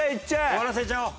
終わらせちゃおう。